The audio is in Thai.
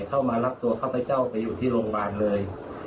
เข้ามารับตัวข้าพเจ้าไปอยู่ที่โรงพยาบาลเลย